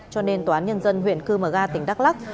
cho nên tòa án nhân dân huyện cư mờ ga tỉnh đắk lắc